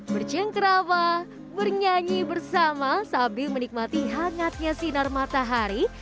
bercengkerawa bernyanyi bersama sambil menikmati hangatnya sinar matahari